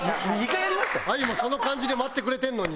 あゆもその感じで待ってくれてるのに。